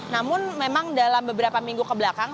namun memang dalam beberapa minggu kebelakang